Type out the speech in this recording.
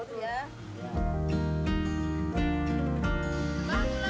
ini satu ya